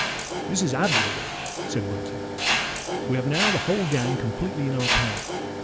"This is admirable!" said Wilton. "We have now the whole gang completely in our power.